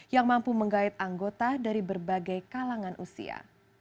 yang mampu menggait anggota dari berbagai kalangan usia